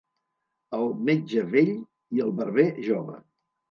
El metge, vell, i el barber, jove.